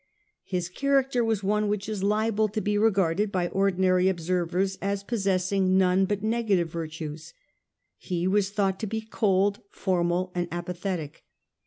His character was one which is liable to be regarded by ordinary observers as possessing none but negative virtues. He was thought to be cold, formal and apathetic.